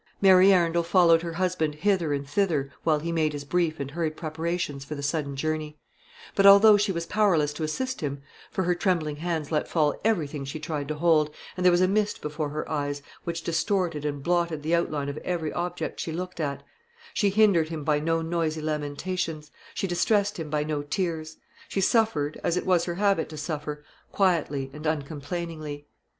Mary Arundel followed her husband hither and thither while he made his brief and hurried preparations for the sudden journey; but although she was powerless to assist him, for her trembling hands let fall everything she tried to hold, and there was a mist before her eyes, which distorted and blotted the outline of every object she looked at, she hindered him by no noisy lamentations, she distressed him by no tears. She suffered, as it was her habit to suffer, quietly and uncomplainingly.